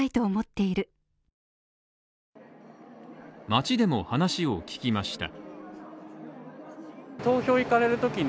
町でも話を聞きました。